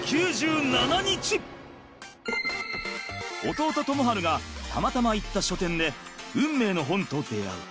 弟智晴がたまたま行った書店で運命の本と出会う。